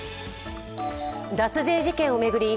脱税事件を巡り